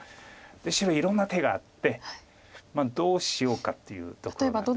白いろんな手があってどうしようかっていうところなんですけれども。